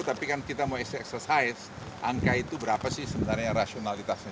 tapi kan kita mau exercise angka itu berapa sih sebenarnya rasionalitasnya